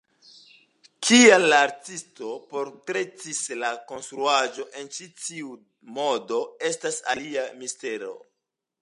Kial la artisto portretis la konstruaĵon en ĉi tiu modo estas alia mistero.